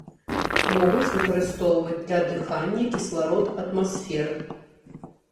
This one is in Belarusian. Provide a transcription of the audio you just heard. Могуць выкарыстоўваць для дыхання кісларод атмасферы.